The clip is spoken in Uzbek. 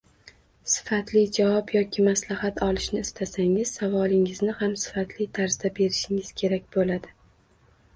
Sifatli javob yoki maslahat olishni istasangiz, savolingizni ham sifatli tarzda berishingiz kerak bo’ladi